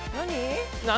何？